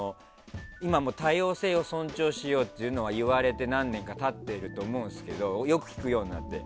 今も多様性を尊重しようと言われて何年か経ってると思うんですけどよく聞くようになって。